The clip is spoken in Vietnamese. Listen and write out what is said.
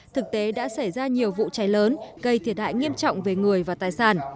thực tế đã xảy ra nhiều vụ cháy lớn gây thiệt hại nghiêm trọng về người và tài sản